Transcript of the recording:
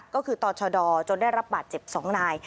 ก็คือต่อชดจนได้รับบาดเจ็บ๒นาย